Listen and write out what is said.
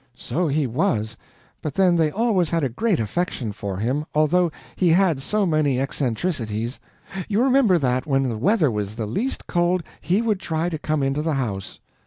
"So he was, but then they always had a great affection for him, although he had so many eccentricities. You remember that when the weather was the least cold, he would try to come into the house."